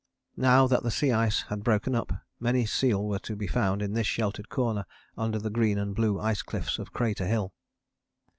Now that the sea ice had broken up, many seal were to be found in this sheltered corner under the green and blue ice cliffs of Crater Hill.